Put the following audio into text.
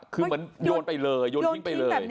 คือเหมือนโยนไปเลยโยนทิ้งไปเลย